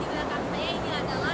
di belakang saya tempatnya ada jamarot